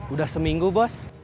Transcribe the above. udah seminggu bos